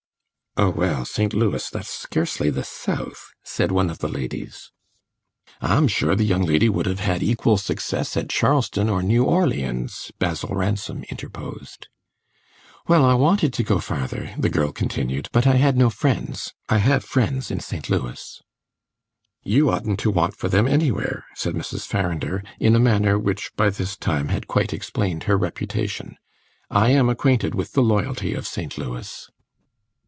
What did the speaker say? "Oh, well, St. Louis that's scarcely the South," said one of the ladies. "I'm sure the young lady would have had equal success at Charleston or New Orleans," Basil Ransom interposed. "Well, I wanted to go farther," the girl continued, "but I had no friends. I have friends in St. Louis." "You oughtn't to want for them anywhere," said Mrs. Farrinder, in a manner which, by this time, had quite explained her reputation. "I am acquainted with the loyalty of St. Louis."